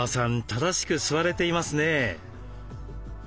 正しく座れていますね。